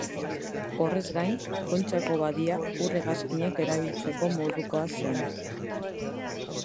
Horrez gain, Kontxako badia ur-hegazkinek erabiltzeko modukoa zen.